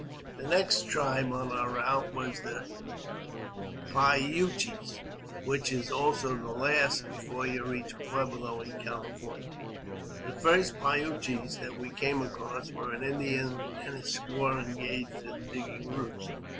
The next tribe on our route was the Pi u ches, which is also the last before you reach Pueblo in California. The first Pi u ches that we came across were an Indian and his squaw engaged in digging roots.